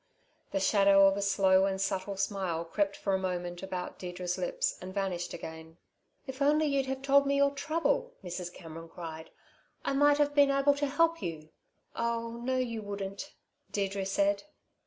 The shadow of a slow and subtle smile crept for a moment about Deirdre's lips and vanished again. "If only you'd have told me your trouble," Mrs. Cameron cried. "I might have been able to help you." "Oh no, you wouldn't," Deirdre said.